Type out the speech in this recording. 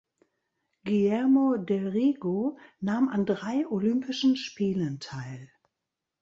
Guillermo del Riego nahm an drei Olympischen Spielen teil.